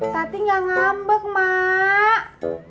tati gak ngambek emak